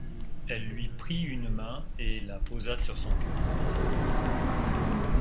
Elle lui prit une main et la posa sur son cœur.